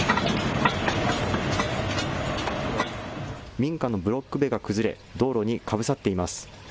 民家のブロック塀が崩れ、道路にかぶさっています。